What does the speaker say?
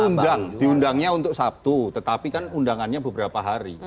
diundang diundangnya untuk sabtu tetapi kan undangannya beberapa hari